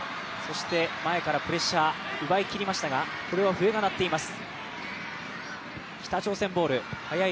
前からプレッシャー、奪いきりましたが、これは笛が鳴っています。